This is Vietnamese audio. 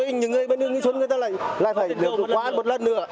những người bên nguyễn xuân lại phải lượt qua một lần nữa